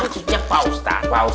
maksudnya pak ustadz lagi pukul